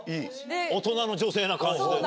大人の女性な感じでね。